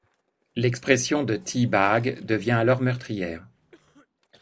L'expression de T-Bag devient alors meurtrière.